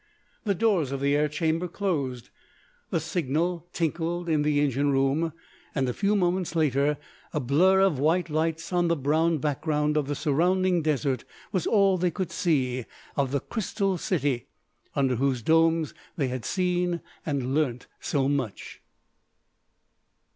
The doors of the air chamber closed. The signal tinkled in the engine room, and a few moments later a blurr of white lights on the brown background of the surrounding desert was all they could see of the Crystal City under whose domes they had seen and learnt so much.